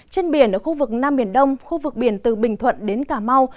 trên biển ở khu vực nam biển đông khu vực biển từ bình thuận đến cà mau